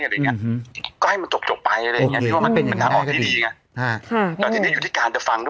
ยังไงก็ให้มาจบไปเลยอย่างงี้อยู่ที่การจะฟังรึ